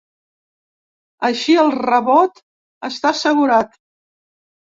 Així el rebot està assegurat.